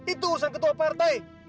itu urusan ketua partai